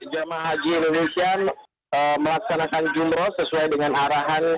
jemaah haji indonesia melaksanakan jumroh sesuai dengan arahan